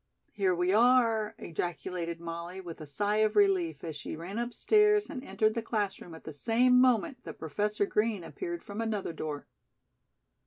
"Here we are," ejaculated Molly with a sigh of relief as she ran upstairs and entered the class room at the same moment that Professor Green appeared from another door.